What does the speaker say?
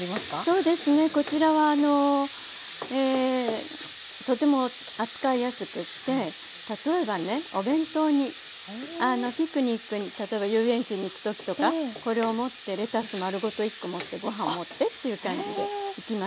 そうですねこちらはあのとても扱いやすくて例えばねお弁当にピクニックに例えば遊園地に行く時とかこれを持ってレタス丸ごと１コ持ってご飯を持ってという感じで行きました。